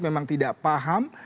memang tidak paham